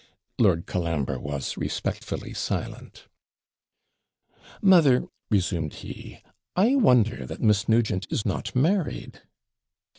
Lord Colambre was respectfully silent. 'Mother,' resumed he, 'I wonder that Miss Nugent is not married!'